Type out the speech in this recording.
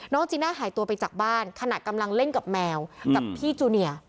จีน่าหายตัวไปจากบ้านขณะกำลังเล่นกับแมวกับพี่จูเนีย